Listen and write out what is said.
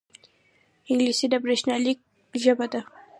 انګلیسي د بریښنالیک ژبه ده